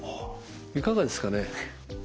いかがですかね。